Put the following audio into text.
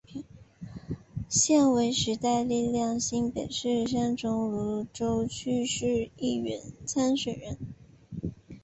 现为时代力量新北市三重芦洲区市议员参选人。